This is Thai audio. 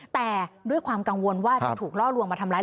แต่ด้วยความกังวลว่าจะถูกล่อลวงมาทำร้าย